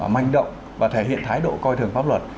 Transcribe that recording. manh động và thể hiện thái độ coi thường pháp luật